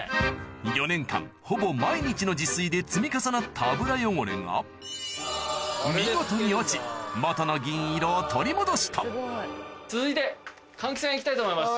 ４年間ほぼ毎日の自炊で積み重なった油汚れが見事に落ち元の銀色を取り戻した行きたいと思います